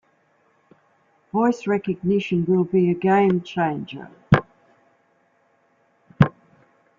Voice recognition will be a game changer.